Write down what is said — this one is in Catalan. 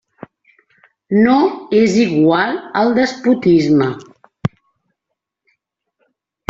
No és igual el despotisme.